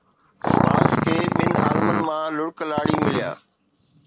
ياس کي ٻن عالمن مان لڙڪ لاڙي مليا